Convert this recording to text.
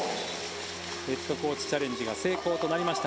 ヘッドコーチチャレンジが成功となりました。